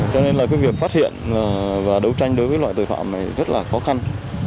cho nên là cái việc phát hiện và đấu tranh đối với loại tội phạm này rất là khó khăn